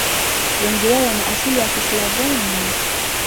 Wengi wao wana asili ya Kislavoni.